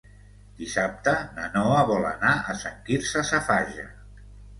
Dissabte na Noa vol anar a Sant Quirze Safaja.